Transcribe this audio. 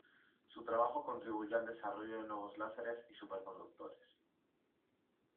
Su trabajo contribuyó al desarrollo de nuevos láseres y superconductores.